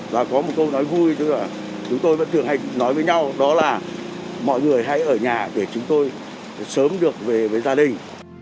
và có một câu nói vui chúng tôi vẫn thường nói với nhau đó là mọi người hãy ở nhà để chúng tôi sớm được về gia đình